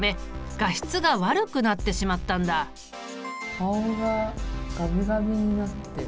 顔がガビガビになってる。